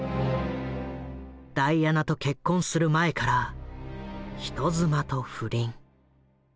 ダイアナと結婚する前から人妻と不倫。